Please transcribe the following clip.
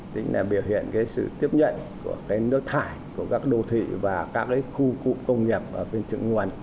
tính là biểu hiện sự tiếp nhận của nước thải của các đô thị và các khu cụ công nghiệp ở bên trường nguồn